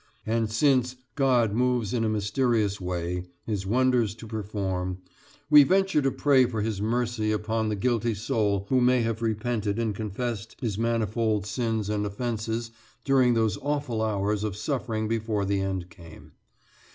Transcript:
And since God moves in a mysterious way His wonders to perform, we venture to pray for His mercy upon the guilty soul who may have repented and confessed his manifold sins and offences during those awful hours of suffering before the end came.